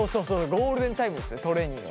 ゴールデンタイムですトレーニングの。